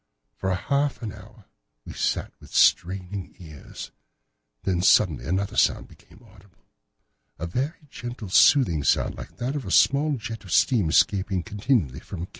For half an hour I sat with straining ears. Then suddenly another sound became audible—a very gentle, soothing sound, like that of a small jet of steam escaping continually from a kettle.